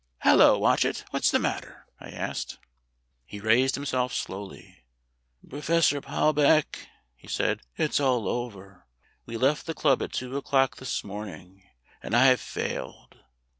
"Hallo, Watchet! What's the matter?" I asked. He raised himself slowly. "Professor Palbeck," he said, "it's all over. We left the club at two o'clock this morning; and I have failed.